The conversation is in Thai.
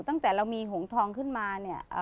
ตั้งแต่เรามีหงษ์ทองขึ้นมา